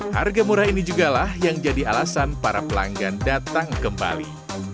harga murah ini jugalah yang jadi alasan para pelanggan datang kembali